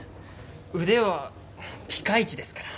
腕はピカイチですから。